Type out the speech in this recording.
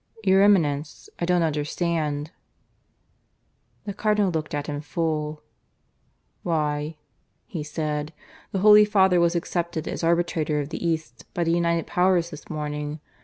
"Your Eminence, I don't understand." The Cardinal looked at him full. "Why," he said, "the Holy Father was accepted as Arbitrator of the East by the united Powers this morning.